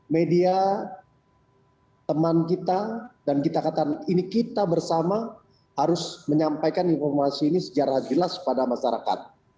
karena teman kita dan kita kata ini kita bersama harus menyampaikan informasi ini sejarah jelas pada masyarakat